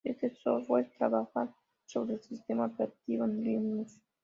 Este software trabaja sobre el sistema operativo Linux.